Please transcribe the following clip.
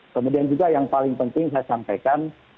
kemudian juga yang paling penting saya sampaikan